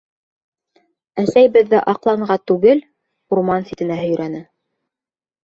Әсәй беҙҙе аҡланға түгел, урман ситенә һөйрәне.